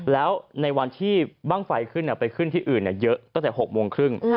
แล้วในวันที่บ้างไฟขึ้นไปขึ้นที่อื่นเยอะตั้งแต่๖โมงครึ่ง